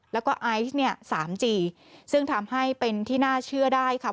แล้วก็ไอซ์เนี่ยสามจีซึ่งทำให้เป็นที่น่าเชื่อได้ค่ะ